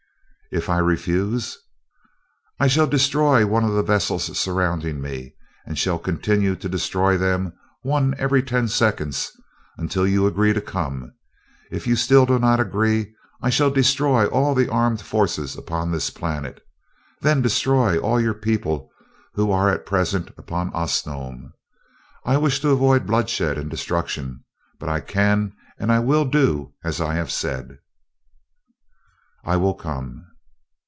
"If I refuse?" "I shall destroy one of the vessels surrounding me, and shall continue to destroy them, one every ten seconds, until you agree to come. If you still do not agree. I shall destroy all the armed forces upon this planet, then destroy all your people who are at present upon Osnome. I wish to avoid bloodshed and destruction, but I can and I will do as I have said." "I will come."